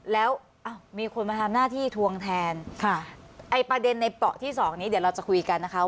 แล้วมีคนมาทำหน้าที่ทวงแทนค่ะไอ้ประเด็นในเปราะที่สองนี้เดี๋ยวเราจะคุยกันนะคะ